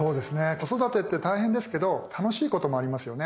子育てって大変ですけど楽しいこともありますよね。